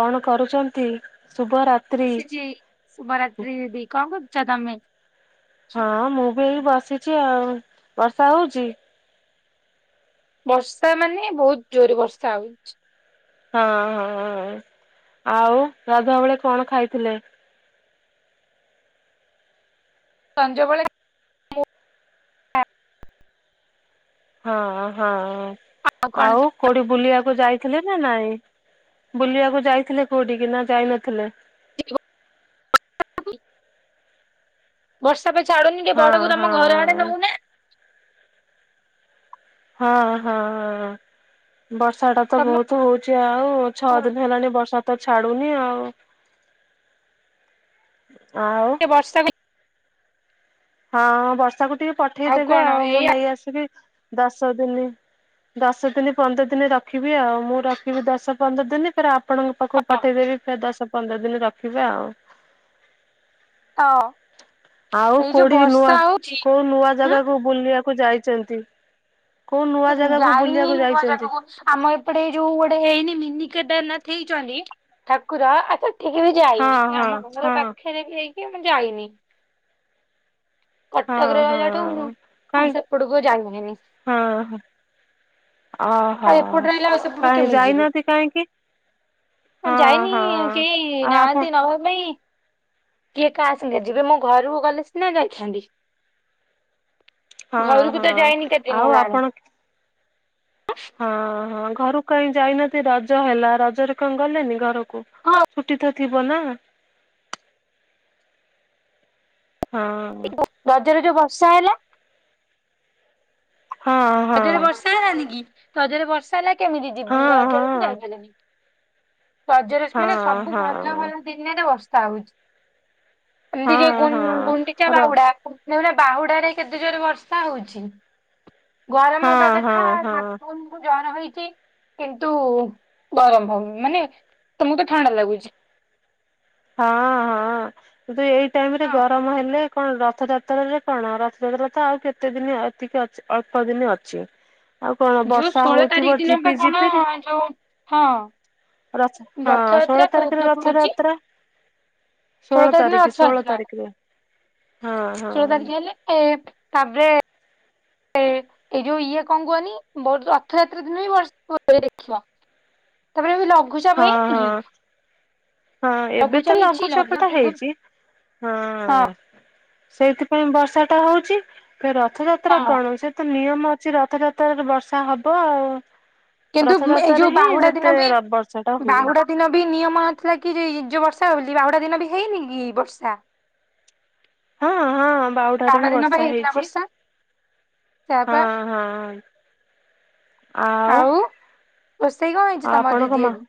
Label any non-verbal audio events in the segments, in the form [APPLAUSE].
କଣ କରୁଚନ୍ତି, ଶୁଭ ରା ବସିଚି ଶୁଭରାତ୍ରି ଦିଦି, କଣ କରୁଚ ତମେ? ହଁ ମୁଁ ବି ଏଇ ବସିଚି ଆଉ ବର୍ଷା ହୋଉଚି। ବର୍ଷା ମାନେ ବୋହୁତ ଜୋରରେ ବର୍ଷା ହୋଉଚି। ହଁ ହଁ ଆଉ ଗାଧୁଆବେଳେ କଣ ଖାଇଥିଲେ? ସଞ୍ଜବେଳେ ହଁ ହଁ ଆଉ କୋଉଠି ବୁଲିବାକୁ ଯାଇଥିଲେ ନା ନାଇଁ ବୁଲିବାକୁ ଯାଇଥିଲେ କୋଉଠି କି ନା ଯାଇ ନଥିଲେ। [INAUDIBLE] ବର୍ଷା ପା ଛାଡୁନି ଟିକେ ହଁ ବଡ କୁ ହଁ ତମ ଘର ଆଡେ ନୋଉନା। ହଁ ହଁ ହଁ। ବର୍ଷାଟା ତ ତମ ବୋହୁତ ହୋଉଚି। ଆଉ ଛଅ ଦିନ ହେଲାଣି ବର୍ଷା ତ ଛାଡୁନି ଆଉ। ଆଉ ଏ ବର୍ଷା [UNINTELLIGIBLE] ହଁ ବର୍ଷାକୁ ଟିକେ ପଠେଇଦେବେ କଣ ଆଉ ମୁଁ ଏଇ ନେଇ ଆସିବି ଦଶ ଦିନି ଦଶ ଦିନି ପନ୍ଦର ଦିନ ରଖିବି ଆଉ ମୁଁ ରଖିବି ଦଶ ପନ୍ଦର ଦିନି ଫେରେ ଆ ପଣଙ୍କ ପାଖକୁ ପଠେଇ ଦେବି ଫେରେ ଦଶ ପନ୍ଦର ଦିନି ରଖିବେ ଆଉ। ହଁ। ଆଉ କୋଉଠି କୁ ନୂଆ କୋଉ ନୂଆ ଜାଗାକୁ ବୁଲିବାକୁ ଯାଇଚନ୍ତି? ଯାଇନି ନୂଆ ଯାଇଛନ୍ତି? ଜାଗାକୁ। ଆମ ଏପଟେ ଯୋଉ ଗୋଟେ ହେଇନି ମିନିିକେଦାରନାଥ ହେଇଚନ୍ତି ଠାକୁର ଆଚ୍ଛା ସେଠିକେ ବି ଯାଇନି ହଁ ହଁ ଆମ ଘର ହଁ ପାଖରେ ବି ହେଇକି ମୁଁ ଯାଇନି। ହଁ କଟକରେ ରହିଲାଠୁ ଉଁ ହଁ କାହିଁ [UNINTELLIGIBLE] ସେପଟକୁ ଯାଇ ହୁଏନି। ହଁ ହ। ଅ ହ ଆଉ ଏପଟେ ରହିଲା ଆଉ ସେପଟକୁ କାହିଁ କେମିତି ଯିବି। ଯାଇନାହାନ୍ତି କାହିଁକି? ହଁ ଯାଇନି ହଁ କେହି ଆ ଆପଣ ନାହାନ୍ତି ନବା ପାଇଁ କିଏ କାହା ସାଙ୍ଗେ ଯିବେ ମୋ ଘରକୁ ଗଲେ ସିନା ଯାଇଥାନ୍ତି। ହଁ ଘରକୁ ହଁ ତ ଯାଇନି କେତେ ଦିନି ଆଉ ହେଲାଣି। ଆପଣ ହଁ ହଁ ଘରକୁ କାଇଁ ଯାଇନାହାନ୍ତି ରଜ ହେଲା। ରଜରେ କଣ ଗଲେନି ଘରକୁ? ହଁ ଛୁଟି ତ ଥିବ ନା। ହଁ। ଏଇ ବ [INAUDIBLE] ରଜରେ ଯୋଉ ବର୍ଷା ହେଲା। ହଁ ହଁ। ର୍ଷା ହେଲାନିକି ରଜରେ ବର୍ଷା ହେଲା କେମିତି ଯିବି ହଁ ରଜରେ ତ ହଁ। ଯାଇପାରିଲିନି। ରଜରେ [UNINTELLIGIBLE] ହଁ ମାନେ ସବୁ ଭଲ ହଁ ଭଲ ଦିନିରେ ବର୍ଷା ହୋଉଚି। ଏମିତି କି ହଁ ହଁ ଗୁ-ଗୁଣ୍ଡିଚା ର ବାହୁଡା ଦେଖୁନା ବାହୁଡାରେ କେତେ ଜୋର ବର୍ଷା ହୋଉଚି। ଗରମ ହଁ ହବା ହଁ କଥା ହଁ। ଠାକୁରଙ୍କୁ ଜର ହେଇଚି। କିନ୍ତୁ ଗରମ ହୋଉନି ମାନେ ତମକୁତ ଥଣ୍ଡା ଲାଗୁଚି। ହଁ ହଁ କିନ୍ତୁ ଏଇ ଟାଇମ୍ ରେ ହଁ ଗରମ ହେଲେ କଣ ରଥଯାତ୍ରରେ କଣ? ରଥଯାତ୍ରା ତ ଆଉ କେତେ ଦିନି ଅଧିକ ଅ ଅଳ୍ପ ଦିନି ଅଛି। ଆଉ କଣ ଯୋଉ ବର୍ଷା ଷୋହଳ ତାରିଖ ହଉଥିବ ଦିନ ବା ଝିପି କଣ ଝିପିରି ଯୋଉ ହଁ ରଥ ହଁ ରଥଯାତ୍ରା ଷୋଳ କୋଉଦିନ ତାରିଖରେ ରଥ୍ରରାତ୍ରା। ଷୋଳ ତାରିଖ ଦିନ ଷୋହଳ ରଥଯାତ୍ରା। ତାରିଖରେ ହଁ ଷୋଳ ହଁ। ତାରିଖ ହେଲେ ତାପରେ ଏ ଏଇ ଯୋଉ ଇଏ କଣ କୁହନି? ମୋର ତ ରଥଯାତ୍ରା ଦିନ ବି ବଷ [UNINTELLIGIBLE] ଦେଖିବ। ତାପରେ ବି ଲଘୁଚାପ ହଁ ହେଇନି କି? ହଁ ହଁ ଏବେ ତ ଲଘୁଚାପ ଟା ହେଇଚି। ହଁ ସେଇଥିପାଇଁ ବର୍ଷାଟା ହେଉଚି। ରଥଯାତ୍ରା ହଁ କଣ ସେ ତ ନିୟମ ସେ ରଥଯାତ୍ରାରେ ବର୍ଷା ହବ ଆଉ। କିନ୍ତୁ ଏଇ ରଥଯାତ୍ରାରେ ଯୋଉ ହିଁ ବାହୁଡା ଯେତେ ଦିନ ବି ର ବର୍ଷା ଟା ହୁଏ। ବାହୁଡା ଦିନ ବି ନିୟମ ନଥିଲା କି ଯେ ଯୋଉ ବର୍ଷା ହେଉଚି ବାହୁଡା ଦିନ ବି ହେଇନି କି ବର୍ଷା। [INAUDIBLE] ହଁ ହଁ ବାହୁଡାରେ ବାହୁଡା ବି ଦିନ ବା ବର୍ଷା ହେଇଥିଲା ହେଇଛି। ବର୍ଷା ସେୟା ହଁ ପା ହଁ ଆଉ ରୋଷେଇ କଣ ହେଇଚି ତମର ଆପଣଙ୍କ ଦିଦି ମା ଆଜି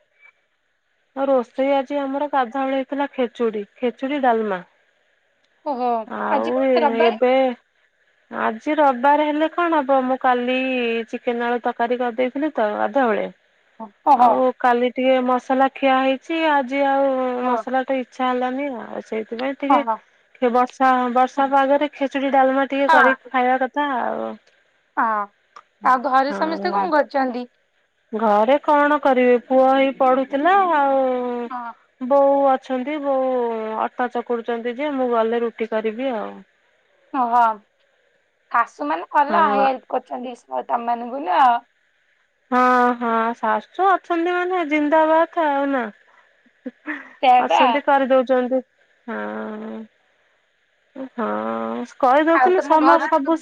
ଆଉ ରୋଷେଇ ଆଜି ଆମର ଗାଧୁଆବେଳେ ହେଇଥିଲା ଖେଚୁଡି ଖେଚୁଡି ଡାଲମା। ଓହୋ ଆଜି ଆଉ ପା ଏ ରବିବାରେ ଏବେ। ଆଜି ରବିବାର ହେଲେ କଣ ହବ? ମୁଁ କାଲି ଚିକେନ ଆଳୁ ତରକାରୀ କରିଦେଇଥିଲି ତ ଗଧୁଆବେଳେ। ଓହୋ ଆଉ କାଲି ଟିକେ ମସଲା ଖିଆ ହେଇଚି। ଆଜି ଆଉ ହଁ ମସଲା ଟେ ଇଛା ହେଲାନି ଆଉ ସେଇଥିପାଇଁ ହଁ ହଁ। ଟିକେ ବର୍ଷା ବର୍ଷା ପାଗରେ ଖେଚୁଡି ଡାଲମା ଟିକେ କରିିକି ଖାଇବା କଥା ଥା ଆଉ। ଓ ଆଉ ଘରେ ସମସ୍ତେ ହଁ କଣ କରୁଛନ୍ତି? ଘରେ କଣ କରିବେ ପୁଅ ଏଇ ପଢୁଥିଲା ଆଉ ହଁ ବୋଉ ଅଛନ୍ତି। ବୋଉ ଅଟା ଚକୁଡୁଚନ୍ତି ଯେ ମୁଁ ଗଲେ ରୁଟି କରିବି ଆଉ। ଓ ହୋ ଶାଶୁମାନେ ଭଲ ହଁ ହେଲ୍ପ କରୁଚନ୍ତି ତମ ମାନଙ୍କୁ ନୁହ। ହଁ ହଁ ଶାଶୁ ଅଛନ୍ତି ମାନେ ଜିନ୍ଦାବାଦ ଆଉ ନା ସେୟା ପା। ଅଛନ୍ତି କରିଦଉଚନ୍ତି। ହଁ ହଁ ଆଉ କହିଦଉଥିଲି ତମ ସମସ୍ତ ଘରୁ ସବୁ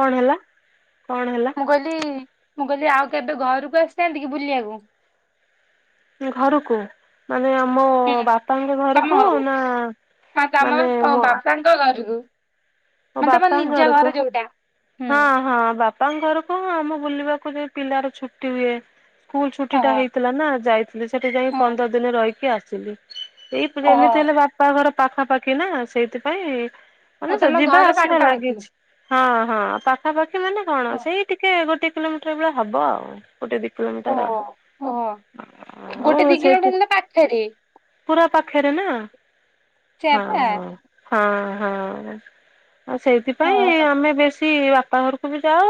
କଣ ହେଲା କଣ ହେଲା? ମୁ କଇଲି ମୁଁ କଇଲି ଆଉ କେବେ ଘରକୁ ଆସିନାହାନ୍ତି କି ବୁଲିବାକୁ? ଘରୁକୁ ମାନେ ଆମ ହୁଁ ବାପାଙ୍କ ଘରକୁ ନା ମାନେ ମ ତୋ ଘରକୁ? ମୋ ମାନେ ତମ ବାପାଙ୍କ ନିଜ ଘରକୁ ଘର ଯୋଉଟା। ହଁ ହଁ ବାପା ପାଙ୍କ ଘରକୁ ହଁ ଆମ ବୁଲିବାକୁ ଯାଏ ପିଲାର ଛୁଟି ହୁଏ। ସ୍କୁଲ ଛୁଟି ଟା ଓହୋ ହେଇଥିଲା ନା। ଯାଇଥିଲି ସେଠି ଯାଇଁ ପନ୍ଦର ଦିନ ରହିକି ଆସିଲି। ଓହୋ [UNINTELLIGIBLE] ହେଲେ ବାପା ଘର ପାଖାପାଖି ନା ସେଇଥିପାଇଁ ମାନେ ଓ ତମ ଯିବା ଘର ଆସିବା ପାଖାପାଖି। ଲାଗିଚି। ହଁ ହଁ ପାଖାପାଖି ମାନେ କଣ? ସେଇ ଟିକେ ଗୋଟେ କିଲୋମିଟର ବେଳା ହବ ଆଉ ଗୋଟେ ଦି ଓ କିଲୋମିଟର ଓ ଆଉ ଗୋଟେ ହଁ ଦି ସେଇ କିଲୋମିଟର ପାଖରେ ପୁରା ପାଖରେ ନା ହଁ ସେୟାପା ହଁ ହଁ ହଁ। ଆଉ ସେଇଥିପାଇଁ ଓହୋ। ଆମେ ବେଶୀ ବାପା ଘରକୁ ବି ଯାଉ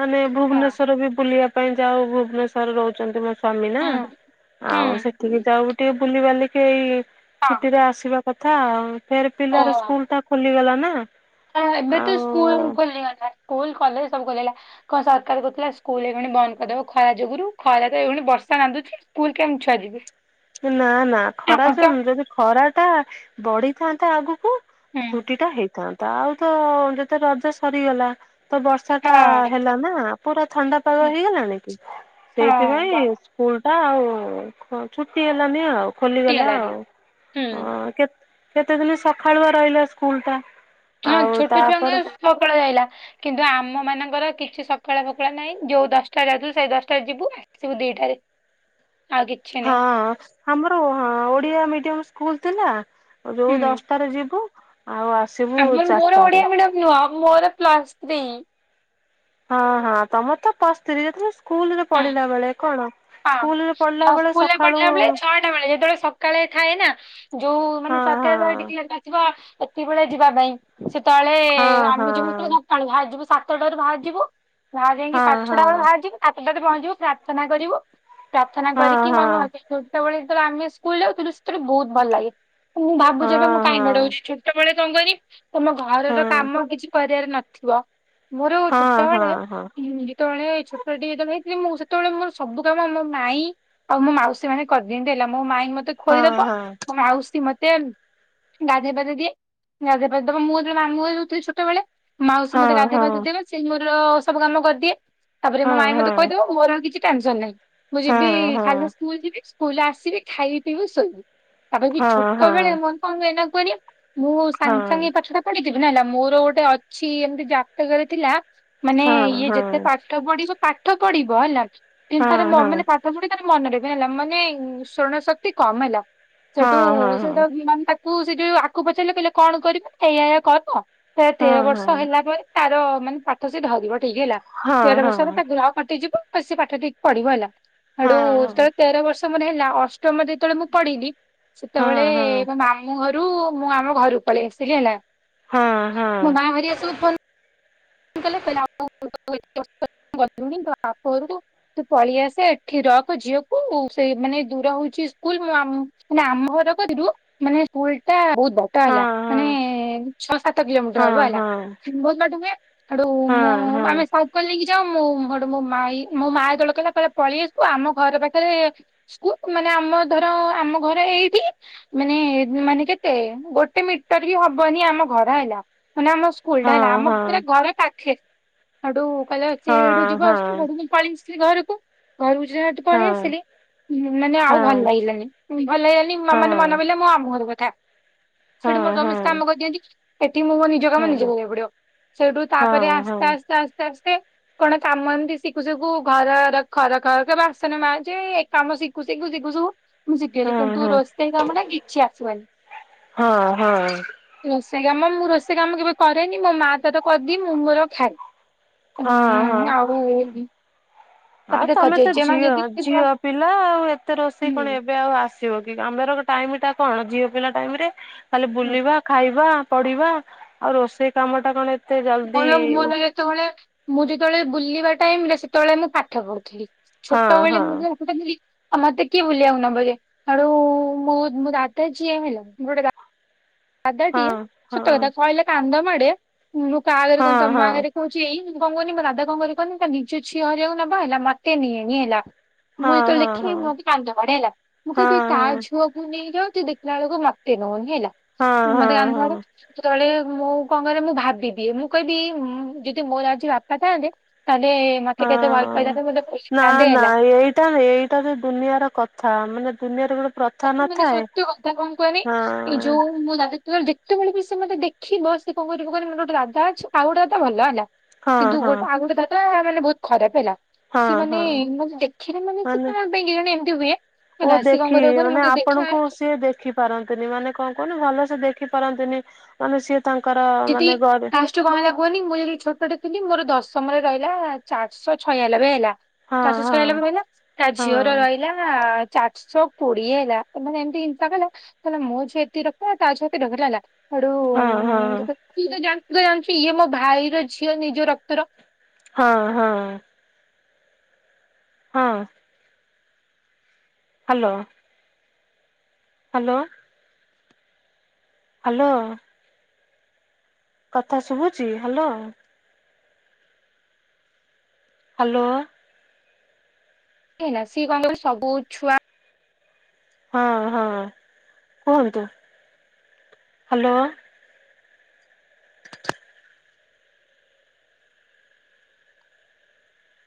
ମାନେ ହଁ ଭୁବନେଶ୍ୱର ବି ବୁଲିବା ପାଇଁ ଯାଉ ଭୁବନେଶ୍ୱର ରହୁଛନ୍ତି ମେ ସାମୀ ନା ହୁଁ ଆଉ ସେଠିକି ହୁଁ ଯାଉ ଟିକେ ବୁଲିିବାଲିକି ଏଇ ହଁ ଛୁଟିରେ ଆସିବା କଥା ଆଉ ଫେର ପିଲାର ଓହୋ। ସ୍କୁଲ ଟା ଖୋଲିଗଲା ନା। ଏବେ ତ ସ୍କୁଲ ଆଉ ଖୋଲିଗଲା ସ୍କୁଲ କଲେଜ୍ ସବୁ ଖୋଲିଲା। କଣ ସରକାର କହୁଥିଲା ସ୍କୁଲ ଏଗୁଣି ବନ୍ଦ କରିଦବ ଖରା ଯୋଗୁରୁ ଖରା ତ ଏଗୁଣି ବର୍ଷା ନାନ୍ଧୁଚି ସ୍କୁଲ କେମିତି ଛୁଆ ଯିବେ। ନା ନା ଖରା ଆମର ତ ଜାମ୍ ଯଦି ଖରା ଟା ବଢିଥାନ୍ତା ଆଗୁ କୁ ହଁ ତୁଟି ଟା ହେଇଥାନ୍ତା ଆଉ ତ ଯେତେ ରଜ ସରିଗଲା ତ ବର୍ଷ ସାଟା ହଁ ହେଲା ନା ପୁରା ଥଣ୍ଡା ପାଗ ହେଇଗଲାଣି କି ହଁ। ସେଇଥିପାଇଁ ସ୍କୁଲ ଟା ଆଉ ଛୁଟି ହେଲାନି ଆଉ କଟି ଖୋଲିଗଲା ଗଲାଣି। ଆଉ। ହୁଁ ଆ କେତ କେତେ ଦିନ ସଖାଳୁଆ ରହିଲା ସ୍କୁଲ ଟା। ଛ ଆଉ ଛୋଟ ଛୁଆଙ୍କ ତାପରେ ସକାଳ ଯାଇଲା କିନ୍ତୁ ଆମ ମାନଙ୍କର କିଛି ସକାଳ ପଖଳା ନାଇଁ ଯୋଉ ଦଶଟା ଯାଉଥିଲୁ ସେଇ ଦଶଟା ଯିବୁ ଆସିବୁ ଦିଟାରେ ଆଗେ ହଁ। ଆମର ହ ଓଡିଆ ମିଡିୟମ ସ୍କୁଲ ଥିଲା ଯୋଉ ହୁଁ ଦଶଟାରେ ଯିବୁ ଆଉ ଆସିବୁ ଚାରିଟାରେ। ନୁହ ମୋର ପ୍ଲସ ଥ୍ରୀ। ହଁ ହଁ ତମର ତ ପଶତିରି ଯେତେବେଳେ ସ୍କୁଲରେ ହଁ ପଢିଲା ବେଳେ କଣ ହଁ ସ୍କୁଲରେ ପଢିଲା ବେଳେ ସଖାଳୁ ଟା ବେଳେ ଯେତେବେଳେ ସକାଳେ ଥାଏ ନା ଯୋଉ ମାନେ ହଁ ହଁ ସଧ୍ୟଳେ ଦିକିଲାର ଟା ଆସିବ ଏ ତି ବେଳେ ଯିବା ପାଇଁ ସେତଳେ ହଁ ହଁ। ଆମେ ଯିବୁ ସବୁ ସକାଳୁ ଭାହାରିଯିବୁ ସାତଟାରୁ ଭାହାରିଯିବୁ ବାହା ଯାଇକି ହଁ ସାଡ ଛଟା ବେଳ ହଁ ଭାହାରଯିବି ସାତଟାରେ ପହଞ୍ଚିବ ପ୍ରାର୍ଥନା କରିବୁ ପ୍ରାର୍ଥନା ହଁ କରିକି ହଁ ମହ ସେ ହଁ ଛୋଟବେଳେବେ ଏତେବେଳେ ଆମେ ସ୍କୁଲ ଯାଉଥିଲୁ ସେତେବେଳେ ବହୁତ ଭଲ ଲାଗେ। ମୁଁ ଭାବୁଚି ଏବେ ମୁଁ କାଇଁ ହଁ। ବଡଉଛି ଛୋ ଟବେଳେ କଣ କରି ତମ ଘରର ହଁ କାମ କିଛି କରିବାର ନଥିବ। ମୋର ହଁ ହଁ ଛୋଟବେଳେ ହଁ ଗୀତବେଳେ ଛୋଟ ଡି ଯେତେଳେ ହେଥିଲି ମୁଁ ସେତେବେଳେ ମୋର ସବୁ କାମ ମୋ ମାଇଁ ଆଉ ମୋ ମାଉସୀ ମାନେ କରିଦିଅନ୍ତି ହେଲା ମୋ ମାଇଁ ମତେ ଖୋଇଦବ ହଁ ହଁ। ମୋ ଆଉସି ମତେ ଗାଧେ ବାଦେ ଦିଏ ଗାଧେପାଦ୍ ଦବ ମୁଁ ଯେତେବେ ମମୁ ଯଉଥିଲ ଛୋଟବେଳେ ମାଉସୀ ହଁ ମତେ ହଁ ଗାଧେଇ ହଁ ପାଧେଇ ଦେବେ ସେଇ ମୋର ସବୁ କାମ କରିଦିଏ ଯେ ମୋ ହଁ ମାଇ ମତେ ହଁ ଖୁଆଇଦବ ମୋରଉ କିଛି ଟେନସନ ନାହିଁ ମୁଁ ହଁ ଯିବି ହଁ ହଁ। ଖାଲି ସ୍କୁଲ ଯିବ ସ୍କୁଲ ଆସିବି ଖାଇବି ପିବି ଶୋଇବି ତାପରେ ବି ହଁ ଛୋଟ ବେଳେ ହଁ ମୋ କଣ କୁ ଏନା କୁହନି? ମୁଁ ହଁ ସାଙ୍ଗେ ସାଙ୍ଗେ ପାଟା ପଢିଥିବି ନା ହେଲା ମୋର ଗୋଟେ ଅଛି ଏମିତି ଜାତକରେ ଥିଲା ମାନେ ହଁ ଇଏ ଯେତେ ହଁ। ପାଠ ପଢିବ ପାଠ ପଢିବ ହେଲା କିନ୍ତୁ ହଁ ତାର ମ ହଁ ମାନେ ପା ଟ ପୁଡି ତାର ମନରେ ବି ହେଲା ମାନେ ସ୍ଵର୍ଣ ଶକ୍ତି କମ ହେଲା ସେଠୁ ହଁ ହଁ ହଁ ହଁ। ସେଟା [UNINTELLIGIBLE] ତୁ ସେ ଯୋଉ ଆକୁ ପଚାରିଲେ କହିଲେ କଣ କରିବେ ଏଇଆ ଏଇଆ କର ସେ ତେର ବର୍ଷ ହଁ ହେଲା ପରେ ତାର ମାନେ ପାଠ ସେ ଧରିବ ଠିକ ହେଲା ତେର ହଁ ବର୍ଷରେ ର କଟି ଯିବ ଆ ସେ ପାଠ ଟିକ ପଢିବ ହେଲା ହେଡୁ ଯେବେଳେ ତେର ବର୍ଷ ତମର ହେଲା ଅଷ୍ଟମରେ ଯେତେବେଳେ ମୁଁ ପଢିଲି ସେତେବେଳେ ମୋ ମା ମୁ ଘରୁ ମୁଁ ଆମ ଘରକୁ ପଳେଇ ଆସିଲି ହେଲା ହଁ ହଁ ହଁ ମୋ ମା ଭରି ଆସୁ ଫୋନ୍ କହିଲେ [INAUDIBLE] ଗଲୁଣି ତୋ ବାପ ଘରକୁ ତୁ ପଳେଇ ଆସେ ଏଠି ରଖ ଝିଅକୁ ସେଇ ମାନେ ଦୂର ହଉଛି ସ୍କୁଲ ମୁଁ ଆମ ମାନେ ଆମ ଘର କଥିରୁ ମାନେ ସ୍କୁଲ ଟା ବହୁତ ବ ଟ ହଁ ହେଲା ମାନେ ହଁ ଛଅ ସାତ କିଲୋମିଟର ହଁ ହବ ହେଲା। ହଁ। ବହୁତ ବାଟ ହୁଏ ହଁ ହଁ। ସାକୋଲ ଯାଉ ମୁଁ ମଡମୋ ମାଇ ମୋ ଏତେଳେ କହିଲା କଲା ପଳେଇ ଆସିବୁ ଆମ ଘର ପାଖରେ ପ ସ୍କୁ ମାନେ ଆମ ଧର ଆମ ଘର ଏଇଠି ମାନେ ମାନେ କେତେ ଗୋଟେ ମିଟର ବି ହବନି ଆମ ଘର ହେଲା ମାନେ ଆମ ସ୍ କୁଲ ଟା ହଁ ହେଲା ଆମ ପୁରା ହଁ ଘର ପାଖରେ ହେଡୁ କହିଲା ଚେ ଏଡୁ ଯିବ ହଁ ଆସଚି [UNINTELLIGIBLE] ପଳି ଆସିଥିଲି ଘରକୁ ଘରୁ ଯେହେଟୁ ପଳେଇ ହଁ ଆସିଲି ହୁଁ ମାନେ ଆଉ ହଁ ଭଲ ଲାଗିଲାନି ଭଲ ଲାଗିଲାନି ହଁ ମାନେ ମନ ପଡ଼ିଲା ମୋ ମାମୁଁ ଘର କଥା ସେଠୁ ମୋର ହଁ ହଁ ଜମିଶ କାମ କରିଦିଅନ୍ତି ଏଠି ମୁଁ ମୋ ନିଜ କାମ ହଁ ନିଜେ କରିବାକୁ ପଡିବ ସେଇଠୁ ତାପରେ ହଁ ହଁ ହଁ ହଁ ହଁ ଆସ୍ତେ ଆସ୍ତେ ସ୍ତେ ଆସ୍ତେ ସ୍ତେ କଣ କାମ ଏମତି ଶିଖୁ ସିକୁୁ ଘର ଖର ଖର ବାସନ ମାଯେ ଏ କାମ ଶିଖୁ ଶିଖୁ ଶିଖୁ ସୁ ମୁଁ ଶିଖିଗଲି ହଁ କିନ୍ତୁ ରୋଷେଇ କାମ ନା କିଛି ହଁ ହଁ ଆସିବନି। ରୋଷେଇ କାମ ମୁଁ ରୋଷେଇ କାମ କେବେ କରେନି ମୋ ମା ତାର କରିଦିଏ ମୁଁ ମୋର ଖାଏ। ହଁ ହୁଁ ଆଉ ତାପରେ ଆଉ ଦେଖ ତମେ ତ ଜେଜେମା ଝିଅ ଯଦି ଥିବ ଝିଅ ପିଲା ଆଉ ଏତେ ରୋଷେଇ କଣ ହୁଁ ଏବେ ଆଉ ଆସ କି ଆମର ଟାଇମ ଟା କଣ ଝିଅ ପିଲା ଟାଇମ ରେ ଖାଲି ହୁଁ ବୁଲିବା ଖାଇବା ପଡିବା ଆଉ ରୋଷେଇ କାମ ଟା କଣ ଏତେ ଜଲଦି ମର ମୋର ଯେତେବେଳେ ମୁଁ ଯେତେବେଳେ ବୁଲିବା ଟାଇମ ରେ ସେତେବେଳେ ମୁଁ ପାଠ ପଢୁଥିଲି। ହଁ ଛୋଟବେଳେ ହଁ ମୁଁ ଯୋଉ ଆ ମତେ କିଏ ବୁଲିବାକୁ ନବ ଯେ ହେଠୁ ମୁଁ ମୋ ଦାଦା ଯିଏ ହେଲା ଗୋଟେ ଦ ଆଦା ଟିଏ ହଁ ସଟ କଥା କହିଲ କାନ୍ଦ ମେ ମୁଁ କା ଆଗରେ କ ହଁ ହଁ ଆଗରେ କ ଇ ମୁଁ କଣ କହନି ମୋ ଦା କଣ କରିବ କହନି ତା ନିଜ ଝିଅ ହରିବାକୁ ନେବ ହେଲା ମତେ ନିଏନି ହେଲା। ମୁଁ ହଁ ଏତ ହଁ ହଁ ଲେଖି ହଁ ମୁଁ କାନ୍ଦ ମାଡେ ହେଲା। ମୁଁ କଇବି ହଁ ତା ହଁ ଝୁଅକୁ ନେଇଯଉଚି ଦେଖ [UNINTELLIGIBLE] ହେଲା ମତେ ହଁ ଅନ୍ଧଡ଼ ହଁ ସେତେବେଳେ ମୁଁ କଣ କରେ ମୁଁ ଭାବିିବି ମୁଁ କହିବି ଯଦି ମୋର ଆଜି ବାପା ଥାନ୍ତେ ତାହେଲେ ମତେ ହଁ କେତେ ଭଲ ପାଇଥାନ୍ତେ ମତେ ନା ପୋଷିଥାନ୍ତେ ନା ହେଲା ଏଇଟା ହେଇ ଦୁନିଆର କଥା ମାନେ ଦୁନିଆରେ ଗୋଟେ ପ୍ରଥା ତାକୁ ମାନେ ନଥାଏ। ସତ୍ୟ କଥା କଣ କୁହନି ହଁ ଏଇ ଯୋଉ ମୁଁ ଦାଦା ସେତେବେଳେ ବି ସେ ମତେ ଦେଖିବ ଶେ କଣ କରି ମାନେ ଗୋଟେ ଦାଦା ଅଛି ଆଉ ଗୋଟେ ଭଲ ହେଲା। ହଁ କିନ୍ତୁ ହଁ ଗୋଟେ ଆଉ ଗୋଟେ ଦାଦା ମାନେ ବହୁତ ଖରାପ ହେଲା। ସେ ହଁ ମାନେ ହଁ ମତେ ଦେଖିଲେ ମାନେ ସେ କଣ ପାଇଁ କି ଜଣେ ଏମିତି ହୁଏ ଓ ହେଲା ଶେ କଣ ଦେଖି କରିବ କହନି ମାନେ ମତେ ଦେଖିଲା ଆପଣଙ୍କୁ ସିଏ ଦେ ଦେଖି ପାରନ୍ତିନି ମାନେ କଣ କହୁହନି ଭଲ ସେ ଦେଖି ପାରନ୍ତିନି। ମାନେ ସିଏ ତାଙ୍କର ମାନେ କ କୁହନି ମୁଁ ଯି ଛୋଟଟେ ଥିଲି ମୋର ଦଶମରେ ରହିଲା ଚାରିଶହ ଛୟାଲବେ ହେଲା। ହଁ ଚାରିଶହ ହଁ ଛୟାଲବେ ବି ରହିଲା ତା ହଁ ଝିଅର ରହିଲା ନା ଚାରିଶହ କୋଡ଼ିଏଡି ହେଲା। ତ ମାନେ ଏମିତି ହିଂସା କଲା ତାହେଲେ ମୋ ଝିଅ ଏତିକି ରଖିଲା ତା ଝିଅ ରଖିଲା ଲା ହଁ ଆଡୁଏ ହଁ। ତ ଜାଣିଛୁ ତ ଜାଣିଛୁ ଇଏ ମୋ ଭାଇର ଝିଅ ନିଜ ରକ୍ତର ହଁ ହଁ ହଁ ହ୍ୟାଲୋ ହ୍ୟାଲୋ ହ୍ୟାଲୋ କଥା ଶୁଭୁଛି ହ୍ୟାଲୋ? ହ୍ୟାଲୋ କ ସିଏ କଣ ସବୁ ଛୁଆ ହଁ ହଁ କୁହନ୍ତୁ ହ୍ୟାଲୋ